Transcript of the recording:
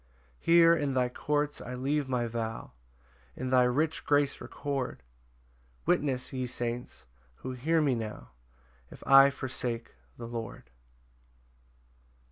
6 Here in thy courts I leave my vow, And thy rich grace record; Witness, ye saints, who hear me now, If I forsake the Lord.